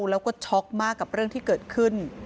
แล้วก็ช็อกมากกับเรื่องที่เกิดขึ้น